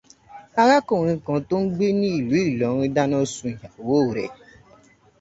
Arákùnrin kan tó ń gbé ní ìlú Ìlọrin dáná sun ìyàwó rẹ̀